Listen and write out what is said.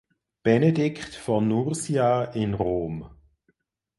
Benedikt von Nursia in Rom.